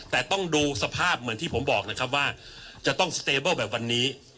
แต่ต้องดูสภาพเหมือนที่ผมบอกนะครับว่าจะต้องสเตเบิลแบบวันนี้